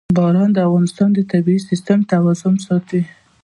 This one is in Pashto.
باران د افغانستان د طبعي سیسټم توازن ساتي.